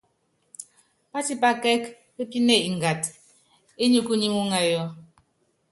Pátipá kɛ́k pépíne ngata enikú nyi muúŋayɔ.